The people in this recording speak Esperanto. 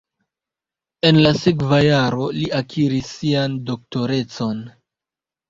En la sekva jaro li akiris sian doktorecon.